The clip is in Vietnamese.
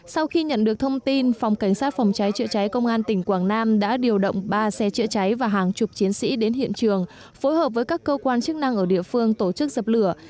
sau khi nhận được thông tin phòng cảnh sát phòng cháy trựa cháy công an tỉnh quảng nam đã điều động ba xe chữa cháy và hàng chục chiến sĩ đến hiện trường phối hợp với các cơ quan chức năng ở địa phương tổ chức dập lửa